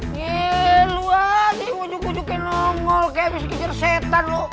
nyeee lu aja yang ujuk ujukin nongol kayak abis kejar setan lo